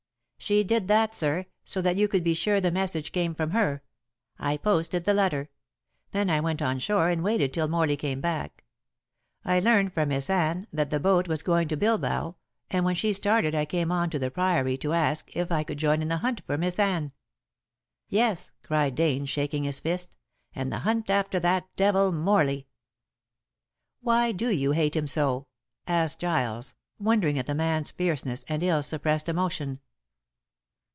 "She did that, sir, so that you could be sure the message came from her. I posted the letter. Then I went on shore and waited till Morley came back. I learned from Miss Anne that the boat was going to Bilbao, and when she started I came on to the Priory to ask if I could join in the hunt for Miss Anne. Yes," cried Dane, shaking his fist, "and the hunt after that devil Morley." "Why do you hate him so?" asked Giles, wondering at the man's fierceness and ill suppressed emotion.